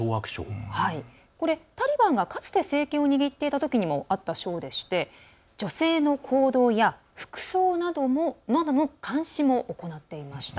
これ、タリバンが、かつて政権を握っていたときにもあった省でして、女性の行動や服装などの監視も行っていました。